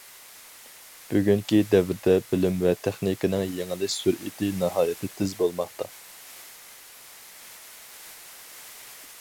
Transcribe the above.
بۈگۈنكى دەۋردە بىلىم ۋە تېخنىكىنىڭ يېڭىلىش سۈرئىتى ناھايىتى تېز بولماقتا.